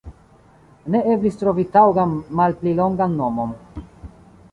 Ne eblis trovi taŭgan malpli longan nomon.